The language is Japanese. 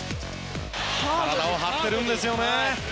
体を張ってるんですよね。